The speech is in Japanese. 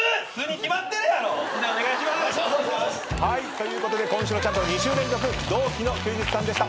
ということで今週のチャンピオンは２週連続同期の休日さんでした。